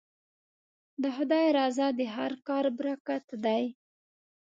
د خدای رضا د هر کار برکت دی.